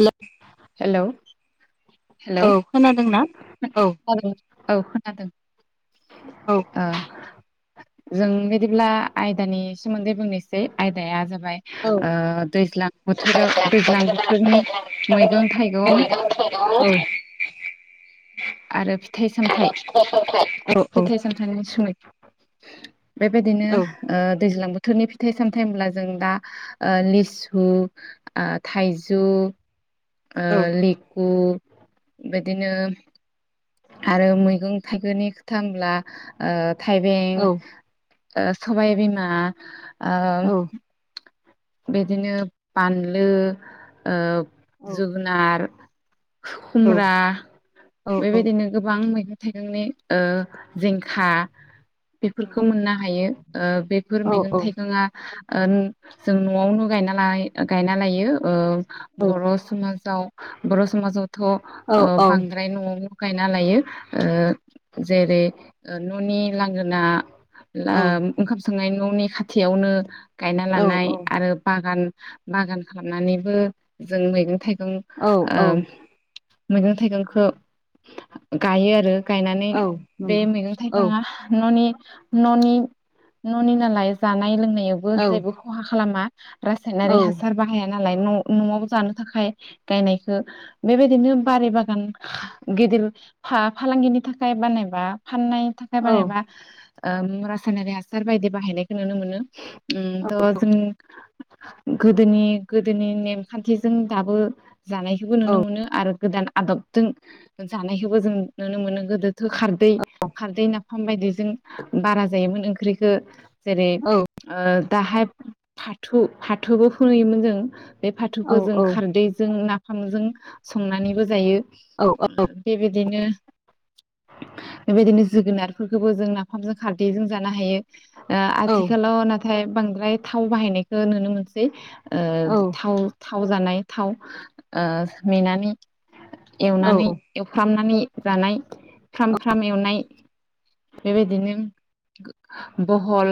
हेल' hello औ खोनादोंनाा? औ औ खोनादों औ ओ जों बिायदिब्ला आयदानि सोमोन्दै बुंनोसै आयदाया जाब औ औ दैज्लां औ बोथोराव दैज्लां औ बोथोरनि मैगं थाइगं [unintelligible] [inaudible] आरो फिथाइ सामथायाइ फिथाइ सामथायनि सै बेबायदिनो दैज्लां बोथोर बोाथोरनि फिथाइ सामथायाइ होनब्ला जों दा ओ लिसु ओ थाइजौ ओ लिकु बिदिनो आरो मैगं थाइगंनि खोथाहोनब्ला थाइबें सबाइ बिमा आ बिदिनो बानलु जोगोनार खुमब्रा बेबायदिनो गोबां मैगं थाइगंनि ओ जिंखा बेफोरखौ मोननो हायो ओ बेफोर मैगं थाइगंआ आन जों न'आवनो गायनालाय गायना लायो ओ बर' समाजाव बर' समाजाव थ' ओ औ बांद्राय न'आव गायना लायो ओ जेरै न'नि लांगोना ला ओंखाम संनाय न नि खाथियावनो गायना लानाय बागान बागान खालामनानैबो जों मैगं थाइगं उम औ औ ओ मैगं थाइगंखौ गायो आरो। गायनानै औ बे नंगौ मैगं औ थाइगङा न'नि। न'नि न'नि नालाय जानाय लोंनाय। औ जेबो खहा खालामा। औ रासायनारि हासार बाहाया नालाय न'। न'आव जानो थाखाय गायनायखौ बेबायदिनो बारि बागान गिदिर फा फालांगिनि थाखाय बानायबा फाननायनि थाखाय औ बानायबा ओ रासायनारि हासार बायदि बाहायनायखौ नुनो मोनो उम [unintelligible] गोदोनि गोदोनि नेमखान्थिजों दाबो जानायखौबो नुनो मोनो आरो गोदान आदबजों जानायखौबो जों नुनो मोनो गोदोथो खारदै खारदै नाफाम बायदिजों बारा जायोमोन ओंख्रिखौ जेरै औ ओ दाहाय। फाथो फाथोबो फोयोमोन जों। बे फाथौखो जों औ औ खारदैजों ना थोंजों। संनानैबो जायो बेबायदिनो बेबायदिनो जोगोनारफोरखौबो जों नाफामजों खारदैजों जानो हायो। ओ आथिखालाव नाथाय बांद्राय। थाव बाहायनायखौ नुनो मोनसै। ओ थाव थाव जानाय थाव ओ मेनानै एवनानै एवफ्रामनानै जानाय फ्राम फ्राम एवनाय बेबायदिनो बहल।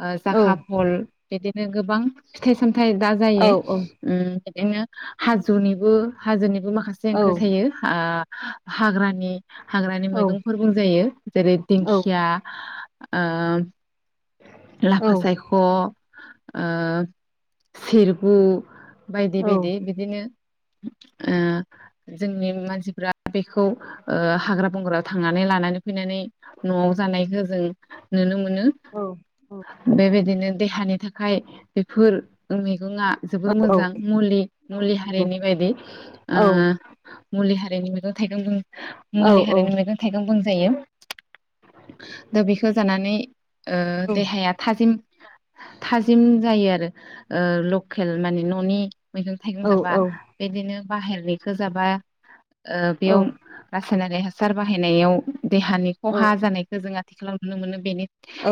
ओ जाखा फल। बिदिनो गोबां फिथाइ सामथ थाय दा जायो ओम बिदिनो हाजोनिबो हाजोनि बो माखासे ओंख्रि थायो आ हाग्रानि हाग्रानि मैगंफोर बुंजायो जेरै औ दिंखिया आ औ लाफा सायख' आ सिरफु औ बायदि बायदि बिदिनो ओ जोंनि मानसिफोरा बेखौ ओ हाग्रा बंग्रायाव थांनानै लानानै फैनानै न'आव जानायखौ जों नुनो मोन नो बेबाय बिदिनो देहानि नि थाखाय बेफोर ओ मै सुबुङा जोबोर मोजां मुलि मुलिहारिनि बायदि ओ मुलि हारिनि मैगं थाइगं दं मुलि हारिनि मैगं थाइगं दं [unintelligible] दा बेखो जानानै ओ देहाया थाजिम थाजिम जायो आरो ओ लकेल मानि न'नि मैगं थाइगं जाबा बिदिनो बाहेरनिखो जाबाय ओ बेयाव रा सायनारि हासार बाहायनायाव देहानि ख'हा जानायखो जोङो थि खालामनो मोनो बेनो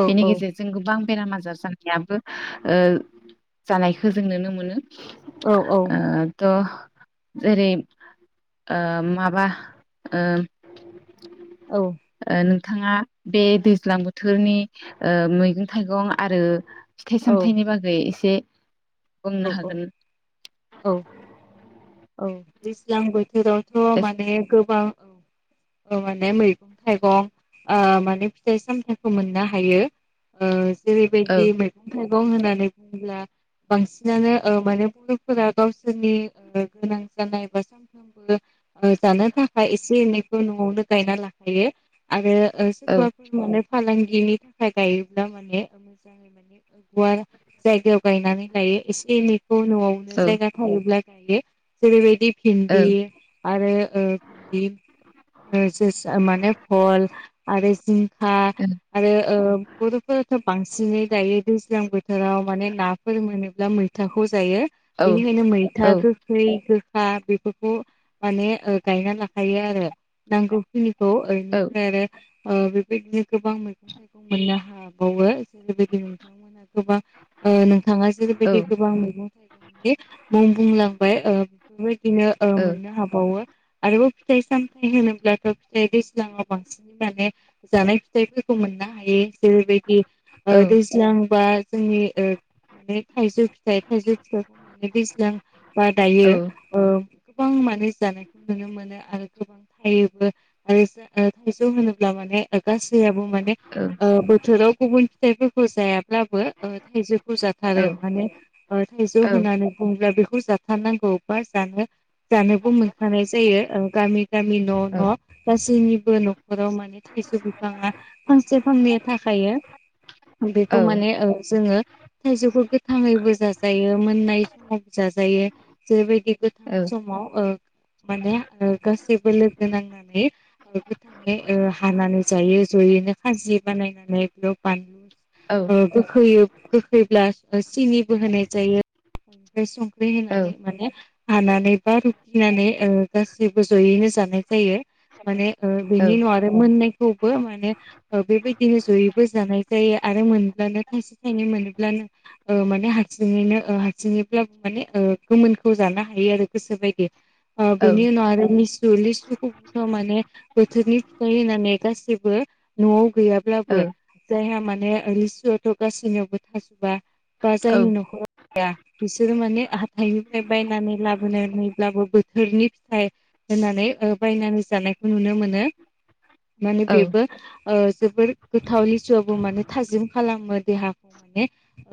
बेनि गेजेरजों गोबां बेराम आजार जाना याबो ओ जानायखो जों नुनो मोनो ओ थ' जेरै ओ माबा ओ ओ नों थाङा बे दैज्लां बोथोरनि ओ मैगं थाइगं आरो फिथाइ सामथाइनि बागै एसे बुंनो हागोन औ औ औ दैज्लां बोथोराव खौथ' औ माने गोबां औ ओ माने मैगं थाइगं ओ माने फिथाइ सामथाइखौ मोननो हायो ओ औ जेरैबायदि मैगं थाइगं दं होननानै बुङोब्ला बांसिनानो ओ माने बर'फोरा गावसोरनि ओ गोनां जानाय बा सामफ्रामबो ओ जानो थाखाय एसे एनैखौ न'आवनो गायना लाखायो आरो ओ औ सोरबाफोर माने फालांगिनि थाखाय गायोब्ला माने ओ मोजाङै माने ओ गुवार जायगायाव गायनानै लायो इसे एनै खौ औ न'आवनो जायगा थायोब्ला गायो जेरैबायदि औ भिन्दि आरो ओ भिन्दि ओ जोसा माने फल आरो जिंखा आरो ओ‌ बर'फोराथ' बांसिनै दायो दैज्लां बोथोराव माने नाफोर मोनो ब्ला मैथाखौ जायो। औ बेनिखायनो औ मैथा गो गोखा बेफोरखौ माने ओ गायना लाखायो आरो नांगौखिनि खौ औ ओरैनिफ्राय आरो ओ बेबायदिनो गोबां मैगं थाइगं मोननो हाबावो। जेरैबायदि नोंथांमोना गोबां ओ नोंथाङा औ जेरैबायदि गोबां मैगं थाइगंनि मुं बुंलां ओ बेफोरबायदिनो ओ मोननो हाबावो। आरोबाव फिथाइ सामथाय होनोब्लाथ' फिथाइ दैज्लाङाव बांसिन माने जानाय फिथाइफोरखौ मोननो हायो जेरैबायदि ओ औ दैज्लांबा जोंनि ओ माने थाइजौ फिथाइ थाइजौ फिथाइखौ माने दैज्लां बा दायो ओ। गोबां माने जानायखौ नुनो मोनो आरो गोबां थायोबो आरो जा ओ थाइजौ होनोब्ला माने ओ गासैआबो माने ने ओ बोथोराव गुबुन फिथाइ जाया ब्लाबो ओ थाइजौ जाथारो माने ओ थाइजौ होननानै बुङोब्ला बे बुरजा फाननांगौ बा जानो जानोबो मोनखानाय जायो। ओ गामि गामि न' औ न' गासैनिबो न'खराव माने थाइजौ बिफाङा फांसे फांनै थाखायो। बेखौ माने ओ जोङो थाइजौखौ गोथाङैबो जाजायो मोननाय समावबो जा जायो। जेरैबायदि गोथां समाव ओ माने ओ गासैबो लोगो नांनानै ओ गोथाङै ओ हानानै जायो। जयैनो खाजि बानायनानै बेयाव बानलु ओ गोखैयो गोखैब्ला ओ सिनिबो होनाय जायो। बेनिफ्राय संख्रि होनानै नै माने हानानै बा रुखैनानै ओ गासैबो जयैनो जानाय जायो। माने ओ बेनि उनाव आरो मोननायखौबो माने ओ बेबायदिनो जयैबो जानाय जायो। आरो मोनब्लानो थाइसे थाइनै मोनोब्लानो ओ माने हारसिङैनो ओ हारसिङैब्लाबो माने ओ गोमोनखौ जानो हायो आरो गोसोबायदि ओ बिनि उनाव आरो लि लिसुखौबोथ' माने बोथोरनि फिथाइ होनानै गासैबो न'आव गैयाब्लाबो औ जायहा माने लिसुआथ' गासैनियावबो थाजोबा बा जायनि न'खराव थाया। बिसोर माने [unintelligible] बायनानै लाबोनानैब्लाबो बोथोरनि फिथाइ होननानै ओ बायनानै जानायखौ नुनो मोनो। माने बेबो ओ जोबोर गोथाव लिसुआबो माने थाजिम खालामो देहाखौ माने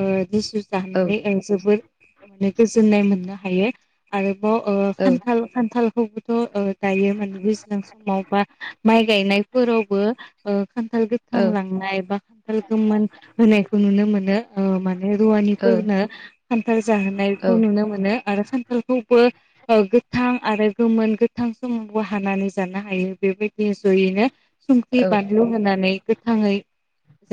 ओ लिसु जानानै ओ जोबोर माने गोजोननाय मोननो हायो। आरोबाव ओ खान्थाल खान्थालखौबोथ' ओ दायो माने गोज्लां समाव बा माइ गायनायफोरावबो ओ खान्थाल गोथां लांनाय बा खान्थाल गोमोन होनायखौ नुनो मोनो। ओ माने रुवानिफोरनो खान्थाल जाहोनाय। खौ नुनो मोनो आरो खान्थालखौबो ओ गोथां आरो गोमोन गोथां समावबो हानानै जानो हायो। बेबायदि जयैनो संख्रि बानलु होनानै गोथाङै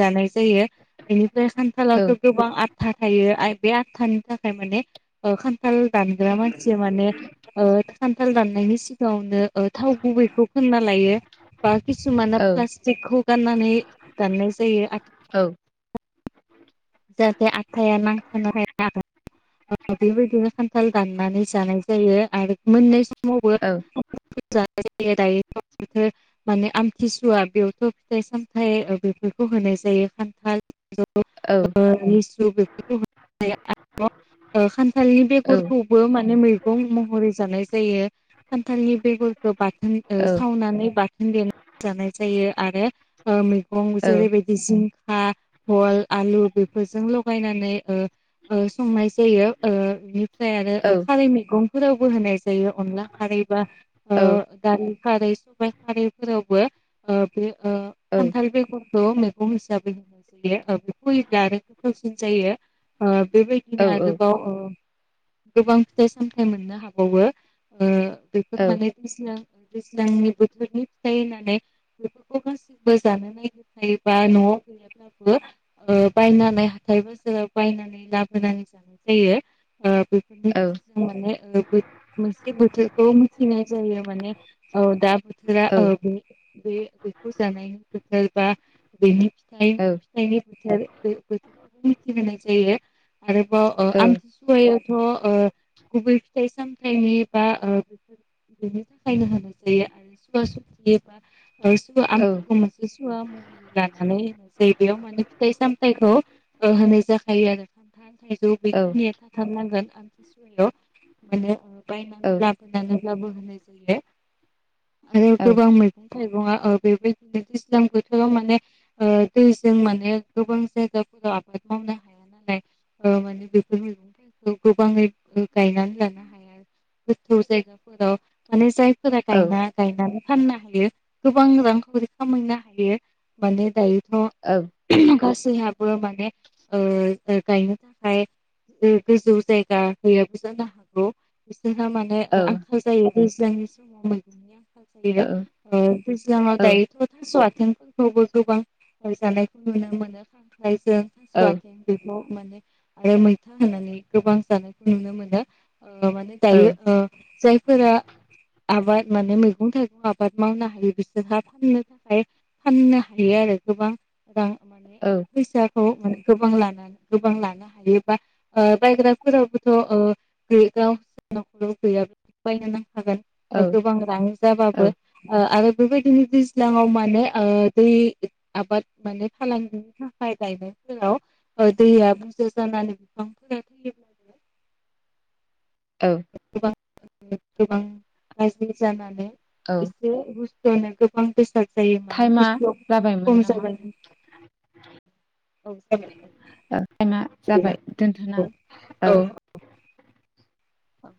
जानाय जायो ‌। बेनिफ्राय खान्थालावथ' गोबां आथा थायो बे आथानि थाखाय माने ओ खान्थाल दानग्रा मानसिया माने ओ खान्थाल दाननायनि सिगाङावनो ओज थाव गुबैखौ खोनना लायो। बा खिसुमाना औ प्लास्टिकखौ गाननानै दाननाय जायो। औ आथा जाहाथे आथाया नांथाना थाया आखाइआव ‌। ओ बेबायदिनो खान्थाल दाननानै जानाय जायो। आरो मोनननाय समावबो गोजोनखौ जानाय जायो। [unintelligible] माने आमथिसुवा बेयावथ' फिथाइ सामथाइ ओ बेफोरखौ होनाय जायो। खान्थाल ओ लिसु बेफोरखौ होन [unintelligible] ओ खान्थालनि बेगरखौबो माने मैगं महरै जानाय जायो। खान्थालनि बेगरखौ बाथोन ओ सावनानै बाथोन देनानै जानाय जायो। आरो मैगं जेरैबायदि जिंखा, बल, आलु बेफोरजों लगायनानै ओ संनाय जायो। ओ बेनिफ्राय आरो ओ खारै मैगंफोरावबो होनाय जायो ‌। अनला खारै बा ओ दालि खारै सबायाइ खारैफोरावबो ओ बे खान्थाल बेगरखौ मैगं हिसाबै होनाय जायो। ओ बेखौ आरो गोथावसिन जायो ‌। ओ बेबायदिनो आरोबाव ओ गोबां फिथाइ सामथाइ मोननो हाबावो ओ बेफोर माने दैज्लां ओ दैज्लांनि बोथोरनि फिथाइ होननानै बेफोरखौ गासिबो जानो नागिर खायो बा न'आव गैयाब्लाबो ओ बायनानै हाथाय बाजाराव बायनानै लाबोनानै जानाय जायो। ओ बेफोरनि गेजेरजों माने ओ मोनसे बोथोरखौ मिथिनाय जायो। माने ओ दा बोथोरा ओ बे-बे-बेखौ जानायनि बोथोर बा बेनि फिथाइ फिथाइनि बोथोर बे बोथोरखौबो मिथिहोनाय जायो। आरोबाव ओ आमथिसुवायाथ' गुबै फिथाइ सामथायाइनि बा ओ बेफोर बेनि थाखायनो होनो जायो। आरो सुवा सुक्ति बा ओ सुवा आमथिखौ मोनसे सुवा महरै लानानै होनाय जायो। बेयाव माने फिथाइ साम फिथाइखौ ओ होनाय जाखायो आरो खान्थाल, थाइजौ बेखिनिया थाथारनांगोन आमथिसुवायाव माने ओ बायनानै लाबोनानैब्लाबो होनाय जायो। आरो गोबां मैगं थाइगंआओश ओ बेबायदिनो दैज्लां बोथोराव माने ओ दैजों माने गोबां जायगाफोराव आबाद मावनो हाया नालाय ओ माने बेफोर मैगं'थायखौ गोबाङै गायनानै लानो हाया गोथौ जायगाफोराव माने जाय फोरा गायना गायनानै फाननो हायो गोबां रांखावरि खामायनो हायो माने दायो। [unintelligible] गासैनाबो माने ओ गायनो थाखाय गो गोजौ जायगा गैयाबो जानो हागौ। जोंहा माने आंखाल जायो। दैज्लांनि समाव मैगंनि आंखाल [unintelligible] दैज्लांआव दायोथ' थास' आथेंफोरखौबो गोबां गायजानायखौ नुनो मोनो। खांख्रांय जों थास' आथेंजों खौ‌ माने आरो मैथा होनानै गोबां जानायखौ नुनो मोनो। ओ माने दायो ओ जायफोरा आबाद माने मैगं थाइगं आबाद मावनो हायो बिसोरहा फाननो थाखाय फाननो हायो आरो गोबां रां माने फैसाखौ माने गोबां लानानै गोबां लानो हायो बा बायग्राफोरावबोथ' ओ बे गावसा नखराव गैयाबाबो बायनो नां [unintelligible] गोबां रां जाबाबो ओ आरो बेबायदिनो दैज्लांङाव माने ओ दै आबाद माने फालांनि थाखाय गायनायफोराव दैया बुरजा जानानै बिफांफोरा थैयो औ गोबां गाज्रि जानानै [unintelligible] [unintelligible] टाइमा बुस्थुआव जाबायमोन खम नामा जाबाय औ जाबाय औ टाइमा बिदिब्ला जाबाय दोनथना औ अ